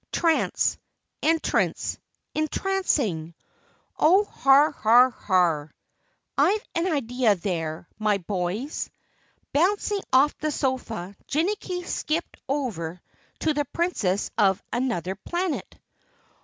Trance entrance entrancing. Oh, har, har, har! I've an idea there, my boys!" Bouncing off the sofa, Jinnicky skipped over to the Princess of Anuther Planet.